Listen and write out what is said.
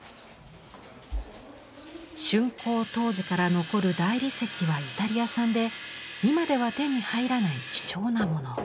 竣工当時から残る大理石はイタリア産で今では手に入らない貴重なもの。